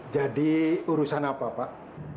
jadi urusan apa pak